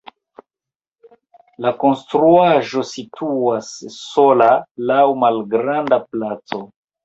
La konstruaĵo situas sola laŭ malgranda placo.